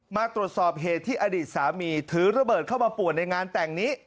มาตรวจสอบเหตุที่อดีตสามีถือระเบิดเข้ามาป่วนในงานแต่งนี้